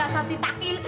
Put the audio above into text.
ah dasar si takil